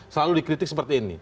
selalu dikritik seperti ini